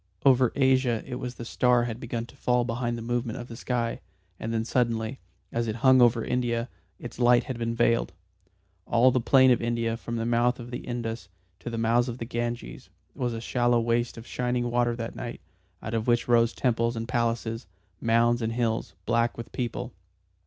Over Asia it was the star had begun to fall behind the movement of the sky, and then suddenly, as it hung over India, its light had been veiled. All the plain of India from the mouth of the Indus to the mouths of the Ganges was a shallow waste of shining water that night, out of which rose temples and palaces, mounds and hills, black with people.